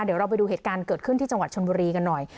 เดี๋ยวเราไปดูเหตุการณ์เกิดขึ้นที่จังหวัดชนบุรีกันหน่อย